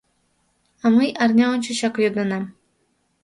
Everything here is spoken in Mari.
— А мый арня ончычак йодынам.